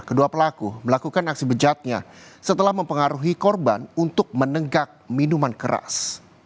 kedua pelaku melakukan aksi bejatnya setelah mempengaruhi korban untuk menenggak minuman keras